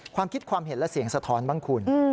ความคิดความเห็นและเสียงสะท้อนบ้างคุณ